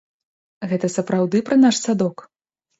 Гэта сапраўды пра наш садок?